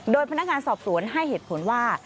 โดยพนักงานสอบสวนให้เหตุผลว่า